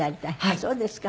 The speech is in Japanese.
そうですか。